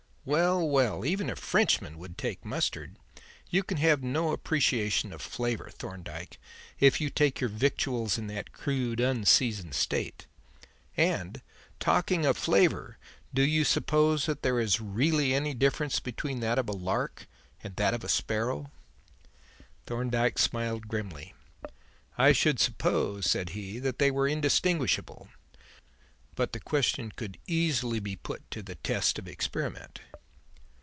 Well, well! Even a Frenchman would take mustard. You can have no appreciation of flavour, Thorndyke, if you take your victuals in that crude, unseasoned state. And, talking of flavour, do you suppose that there is really any difference between that of a lark and that of a sparrow?" Thorndyke smiled grimly. "I should suppose," said he, "that they were indistinguishable; but the question could easily be put to the test of experiment."